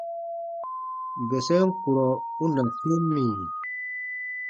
Bɛsɛm kurɔ u na tem mì ?: